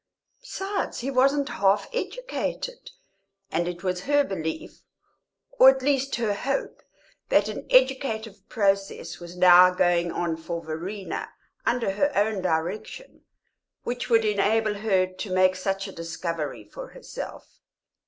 Besides, he wasn't half educated, and it was her belief, or at least her hope, that an educative process was now going on for Verena (under her own direction) which would enable her to make such a discovery for herself.